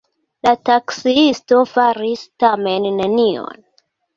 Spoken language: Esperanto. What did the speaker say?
La taksiisto faris tamen nenion.